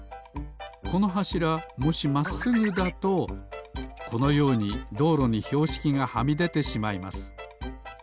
このはしらもしまっすぐだとこのようにどうろにひょうしきがはみでてしまいます。